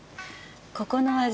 ここの味